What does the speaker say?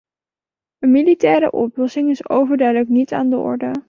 Een militaire oplossing is overduidelijk niet aan de orde.